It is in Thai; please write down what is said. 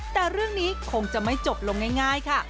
แต่เรื่องนี้คงจะไม่จบลงง่ายค่ะ